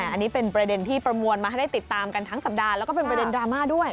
อันนี้เป็นประเด็นที่ประมวลมาให้ได้ติดตามกันทั้งสัปดาห์แล้วก็เป็นประเด็นดราม่าด้วย